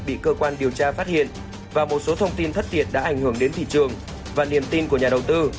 bị cơ quan điều tra phát hiện và một số thông tin thất thiệt đã ảnh hưởng đến thị trường và niềm tin của nhà đầu tư